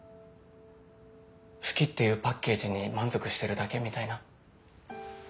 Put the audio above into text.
好きっていうパッケージに満足してるだけみたいな。